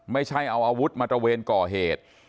ไม่ใช่เอาอาวุธมาตระเวนก่อเหตุ